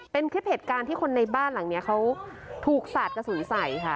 เป็นคลิปเหตุการณ์ที่คนในบ้านหลังนี้เขาถูกสาดกระสุนใส่ค่ะ